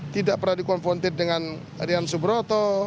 tidak pernah dikonfrontir dengan rian subroto